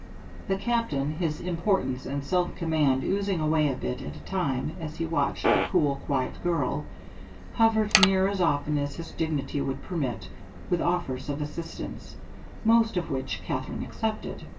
The Captain, his importance and self command oozing away a bit at a time as he watched the cool, quiet girl, hovered near as often as his dignity would permit with offers of assistance, most of which Katherine accepted.